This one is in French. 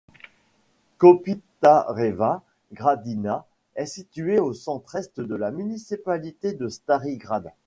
Kopitareva gradina est située au centre-est de la municipalité de Stari grad.